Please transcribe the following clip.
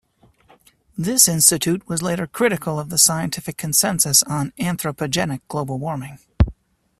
This institute was later critical of the scientific consensus on anthropogenic global warming.